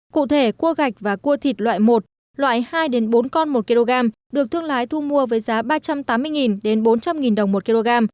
cụ thể cua gạch và cua thịt loại một loại hai bốn con một kg được thương lái thu mua với giá ba trăm tám mươi bốn trăm linh đồng một kg